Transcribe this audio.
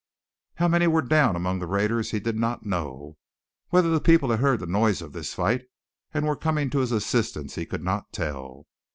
How many were down among the raiders he did not know; whether the people had heard the noise of this fight and were coming to his assistance, he could not tell.